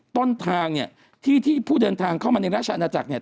ต้นทางเนี่ยที่ที่ผู้เดินทางเข้ามาในราชอาณาจักรเนี่ย